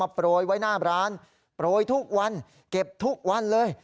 โปรยไว้หน้าร้านโปรยทุกวันเก็บทุกวันเลย